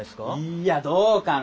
いやどうかな？